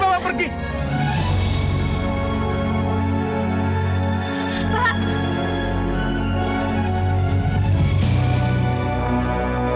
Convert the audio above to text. bapak gak perlu penjelasan lagi